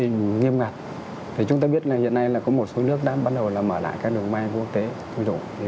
nghiêm ngặt thì chúng ta biết là hiện nay là có một số nước đã bắt đầu là mở lại các đường mai của quốc tế